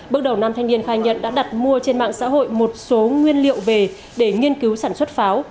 bước đầu nam thanh niên khai nhận đã đặt mua trên mạng xã hội một số nguyên liệu về để nghiên cứu sản xuất pháo